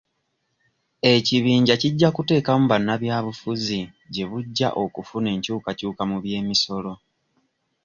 Ekibinja kijja kuteekamu bannabyabufuzi gye bujja okufuna enkyukakyuka mu by'emisolo.